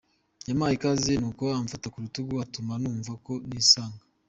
Yampaye ikaze nuko amfata ku rutugu atuma numva ko nisanga".